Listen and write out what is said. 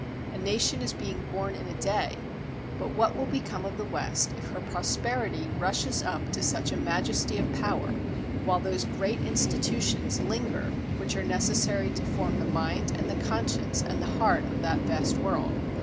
A nation is being 'born in a day.' ... But what will become of the West if her prosperity rushes up to such a majesty of power, while those great institutions linger which are necessary to form the mind and the conscience and the heart of that vast world.